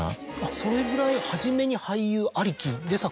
それぐらい初めに俳優ありきで作品が？